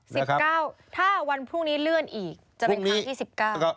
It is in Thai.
๑๙ถ้าวันพรุ่งนี้เลื่อนอีกจะเป็นครั้งที่๑๙นะครับ